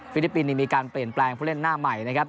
ลิปปินส์มีการเปลี่ยนแปลงผู้เล่นหน้าใหม่นะครับ